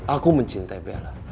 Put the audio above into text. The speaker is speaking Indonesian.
aku mencintai bella